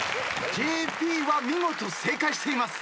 ＪＰは見事正解しています。